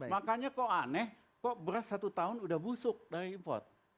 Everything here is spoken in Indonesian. makanya kok aneh kok beras satu tahun udah busuk dari import